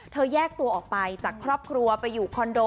แยกตัวออกไปจากครอบครัวไปอยู่คอนโด